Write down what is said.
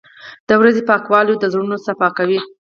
• د ورځې پاکوالی د زړونو صفا کوي.